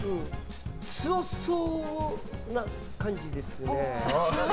強そうな感じですね。